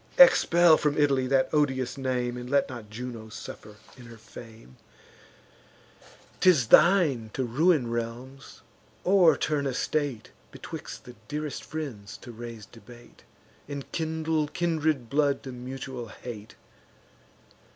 Expel from Italy that odious name, And let not Juno suffer in her fame. 'Tis thine to ruin realms, o'erturn a state, Betwixt the dearest friends to raise debate, And kindle kindred blood to mutual hate.